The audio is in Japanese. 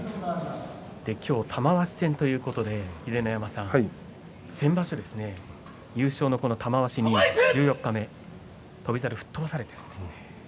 今日は玉鷲戦ということで秀ノ山さん、先場所優勝の玉鷲に十四日目翔猿、飛ばされています。